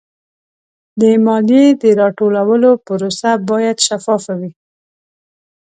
د مالیې د راټولولو پروسه باید شفافه وي.